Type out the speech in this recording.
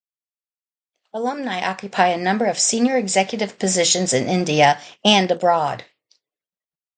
Alumni occupy a number of senior executive positions in India and abroad.